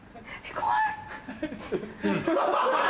怖い！